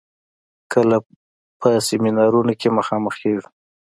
کله په سيمينارونو کې مخامخېږو.